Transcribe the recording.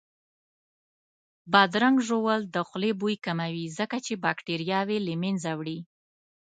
بادرنګ ژوول د خولې بوی کموي ځکه چې باکتریاوې له منځه وړي